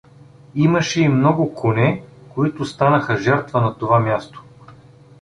Имаше и много коне, които станаха жертва на това място.